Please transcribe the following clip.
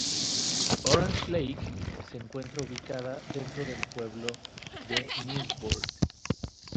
Orange Lake se encuentra ubicada dentro del pueblo de Newburgh.